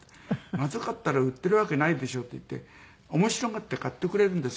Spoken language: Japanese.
まずかったら売ってるわけないでしょって言って面白がって買ってくれるんですよ。